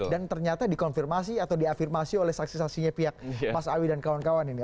dan ternyata dikonfirmasi atau diafirmasi oleh saksi saksinya pihak mas awi dan kawan kawan ini